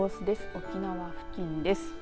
沖縄付近です。